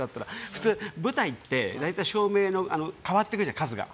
普通、舞台って照明が変わってくじゃない、数が。